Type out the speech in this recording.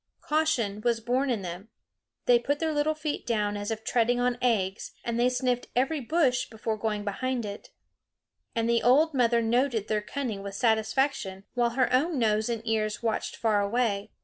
Caution was born in them; they put their little feet down as if treading on eggs, and they sniffed every bush before going behind it. And the old mother noted their cunning with satisfaction while her own nose and ears watched far away.